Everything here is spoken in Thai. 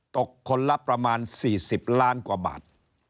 ตกคนละประมาณ๔๐ล้านกว่าบาท